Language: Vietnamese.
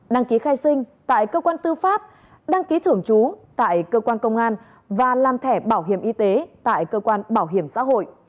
đăng ký khai sinh tại cơ quan tư pháp đăng ký thưởng chú tại cơ quan công an và làm thẻ bảo hiểm y tế tại cơ quan bảo hiểm xã hội